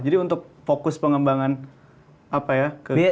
jadi untuk fokus pengembangan apa ya